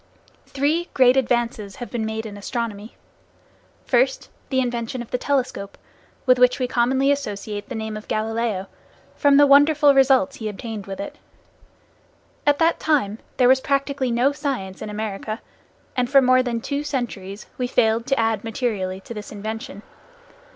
Three great advances have been made in astronomy. First, the invention of the telescope, with which we commonly associate the name of Galileo, from the wonderful results he obtained with it. At that time there was practically no science in America, and for more than two centuries we failed to add materially to this invention.